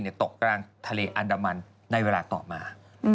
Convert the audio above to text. เกิดตกใกล้ทะเลอันดามันในเวลาต่อมา